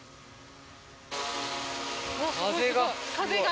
風が。